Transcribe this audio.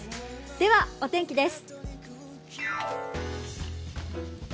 ではお天気です。